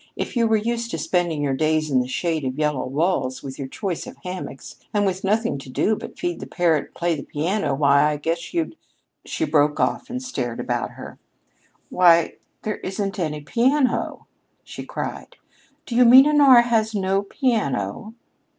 If you were used to spending your days in the shade of yellow walls, with your choice of hammocks, and with nothing to do but feed the parrot and play the piano, why, I guess you'd " She broke off and stared about her. "Why, there isn't any piano!" she cried. "Do you mean Honora has no piano?"